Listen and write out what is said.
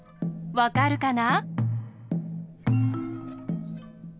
わかるかな？